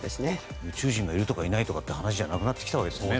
宇宙人がいるとかという次元じゃなくなってきたんですね。